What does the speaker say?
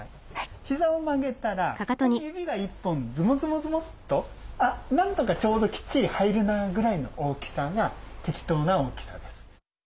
ひざを曲げたらここに指が１本ズボズボズボッとなんとかちょうどきっちり入るなぐらいの大きさが適当な大きさです。